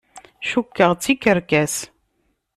Cukkeɣ d tikerkas.